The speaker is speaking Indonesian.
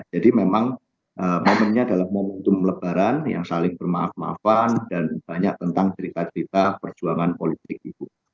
jadi memang momennya adalah momentum lebaran yang saling bermaaf maafan dan banyak tentang cerita cerita perjuangan politik ibu